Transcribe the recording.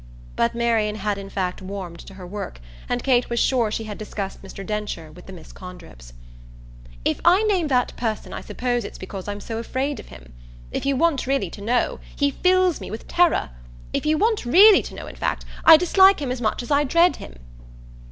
But Marian had in fact warmed to her work, and Kate was sure she had discussed Mr. Densher with the Miss Condrips. "If I name that person I suppose it's because I'm so afraid of him. If you want really to know, he fills me with terror. If you want really to know, in fact, I dislike him as much as I dread him."